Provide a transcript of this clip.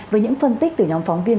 với những phân tích từ nhóm phóng viên